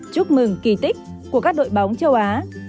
chúc mừng kỳ tích của các đội bóng châu á